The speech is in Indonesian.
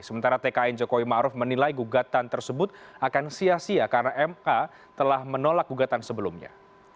sementara tkn jokowi ⁇ maruf ⁇ menilai gugatan tersebut akan sia sia karena ma telah menolak gugatan sebelumnya